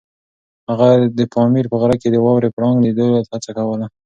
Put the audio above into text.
هغه د پامیر په غره کې د واورې پړانګ د لیدو هڅه کوله.